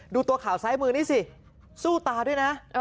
ดูตัวข่าวซ้ายมือนี่สิสู้ตาด้วยนะ